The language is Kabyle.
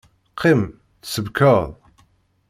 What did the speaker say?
Qqim tsebkeḍ!